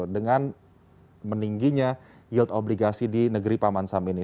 dengan meningginya yield obligasi di negeri paman sam ini